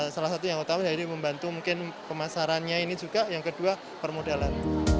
salah satu yang utama dari membantu mungkin pemasarannya ini juga yang kedua permodalan